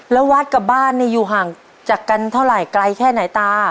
แล้ววัดกับบ้านอยู่ห่างจากกันเท่าไหร่ไกลแค่ไหนตา